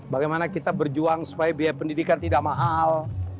bagaimana kita berjuang supaya biaya pendidikan tidak mahal